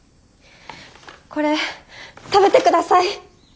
これ食べて下さい！